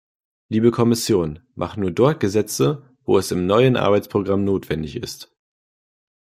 Liebe Kommission, mach' nur dort Gesetze, wo es im neuen Arbeitsprogramm notwendig ist.